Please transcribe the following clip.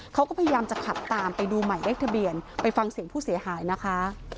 เขาก็พยายามจะขับตามไปดูหมายเลขทะเบียนไปฟังเสียงผู้เสียหายนะคะ